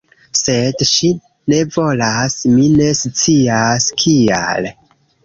Sed ŝi ne volas; mi ne scias kial